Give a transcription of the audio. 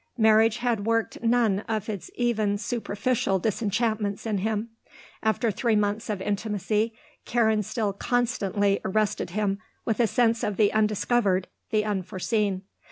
Marriage had worked none of its even superficial disenchantments in him. After three months of intimacy, Karen still constantly arrested him with a sense of the undiscovered, the unforeseen.